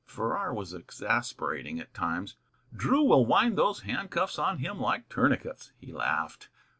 Farrar was exasperating at times. "Drew will wind those handcuffs on him like tourniquets," he laughed.